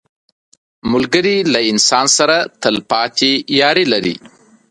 ملګری له انسان سره تل پاتې یاري لري